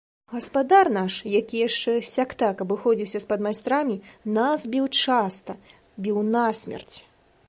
Гаспадар наш, які яшчэ сяк-так абыходзіўся з падмайстрамі, нас біў часта, біў насмерць.